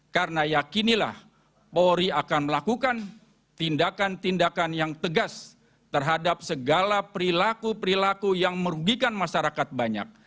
karena yakinilah polri akan melakukan tindakan tindakan yang tegas terhadap segala perilaku perilaku yang merugikan masyarakat banyak